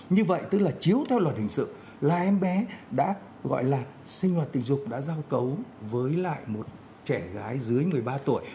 như vậy tức là chiếu theo luật hình sự là em bé đã gọi là sinh hoạt tình dục đã giao cấu với lại một trẻ gái dưới một mươi ba tuổi